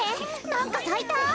なんかさいた。